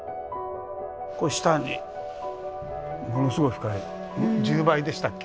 これ下にものすごい深い１０倍でしたっけ？